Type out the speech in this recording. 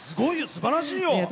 すばらしいよ。